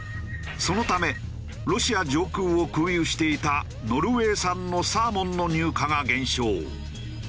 そのためロシア上空を空輸していたノルウェー産のサーモンの入荷が減少。